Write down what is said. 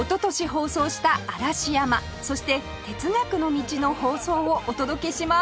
放送した嵐山そして哲学の道の放送をお届けします！